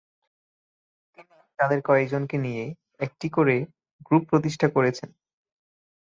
তিনি তাদের কয়েকজনকে নিয়ে একটি করে গ্রুপ প্রতিষ্ঠা করেছেন।